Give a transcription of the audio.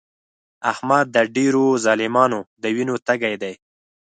احمد د ډېرو ظالمانو د وینو تږی دی.